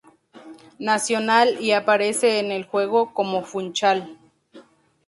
Nacional y aparece en el juego como "Funchal".